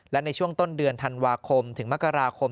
และในช่วงต้นเดือนธันวาคมถึงมกราคม